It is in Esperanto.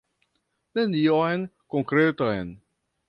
Nenion konkretan!